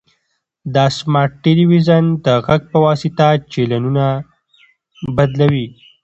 دا سمارټ تلویزیون د غږ په واسطه چینلونه بدلوي.